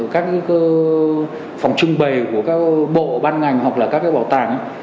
các phòng trưng bày của các bộ ban ngành hoặc là các bảo tàng